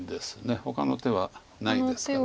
ほかの手はないですから。